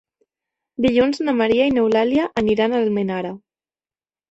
Dilluns na Maria i n'Eulàlia aniran a Almenara.